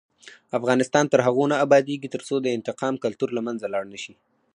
افغانستان تر هغو نه ابادیږي، ترڅو د انتقام کلتور له منځه لاړ نشي.